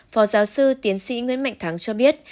phó giáo sư tiến sĩ nguyễn mạnh thắng cho biết